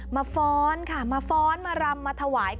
ฟ้อนค่ะมาฟ้อนมารำมาถวาย